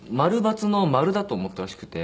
○×の○だと思ったらしくて。